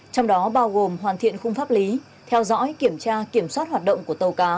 trong đó bao gồm hoàn thiện khung pháp lý theo dõi kiểm tra kiểm soát hoạt động của tàu cá